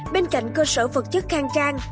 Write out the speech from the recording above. bên cạnh cơ sở vật chất khang trang